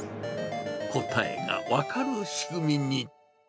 答えが分かる仕組みに。